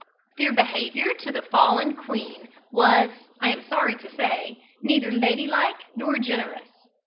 Their behaviour to the fallen queen was, I am sorry to say, neither ladylike nor generous.